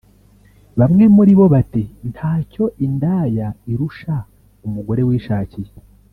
Bamwe muri bo bati “Ntacyo indaya irusha umugore wishakiye